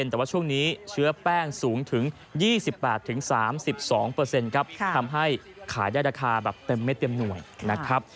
แต่ว่าช่วงนี้เชื้อแป้งสูงถึง๒๘๓๒ครับทำให้ขายได้ราคาแบบเต็มเม็ดเต็มหน่วยนะครับ